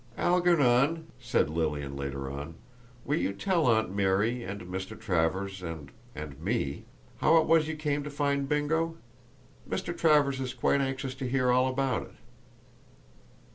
"Algernon," said Lilian, later on, "will you tell Aunt Mary and Mr. Travers and—me how it was you came to find Bingo? Mr. Travers is quite anxious to hear all about it."